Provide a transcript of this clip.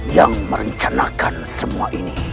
yang merencanakan semua ini